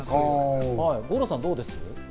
五郎さん、どうですか？